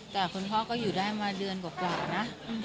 แต่คุณพ่อก็อยู่ได้มาเดือนกว่านะ